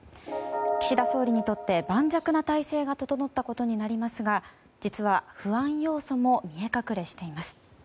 岸田総理にとって盤石な体制が整ったことになりますが実は、不安要素も見え隠れしています。